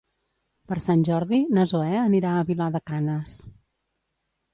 Per Sant Jordi na Zoè anirà a Vilar de Canes.